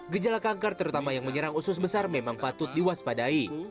gejala kanker terutama yang menyerang usus besar memang patut diwaspadai